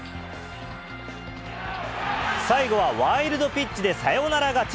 最後はワイルドピッチでサヨナラ勝ち。